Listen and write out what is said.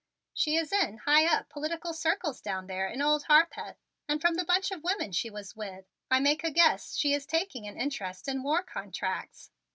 "She is in high up political circles down there in Old Harpeth and from the bunch of women she was with I make a guess she is taking an interest in war contracts.